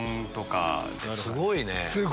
すごいね。